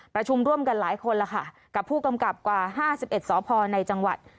ประชุมร่วมกันหลายคนแล้วค่ะกับผู้กำกับกว่า๕๑สพในจังหวัด